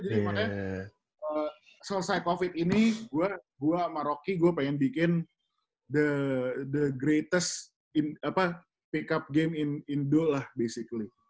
jadi makanya selesai covid ini gue sama rocky gue pengen bikin the greatest pick up game in indo lah basically